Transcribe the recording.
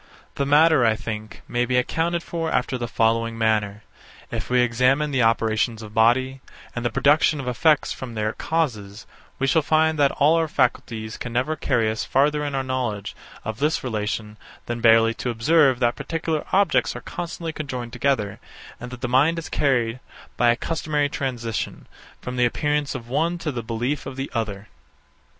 The matter, I think, may be accounted for after the following manner. If we examine the operations of body, and the production of effects from their causes, we shall find that all our faculties can never carry us farther in our knowledge of this relation than barely to observe that particular objects are constantly conjoined together, and that the mind is carried, by a customary transition, from the appearance of one to the belief of the other.